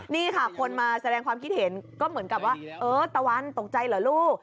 นี่ค่ะคนมาแสดงความคิดเห็นก็เหมือนกับว่าเออตะวันตกใจเหรอลูก